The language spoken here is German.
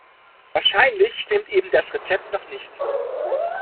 Wahrscheinlich stimmt eben das Rezept noch nicht.